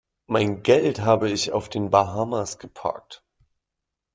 Mein Geld habe ich auf den Bahamas geparkt.